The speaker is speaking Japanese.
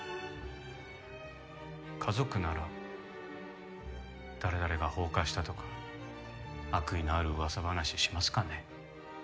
家族なら「誰々が放火した」とか悪意のある噂話しますかね？